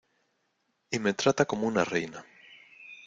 y me trata como una reina.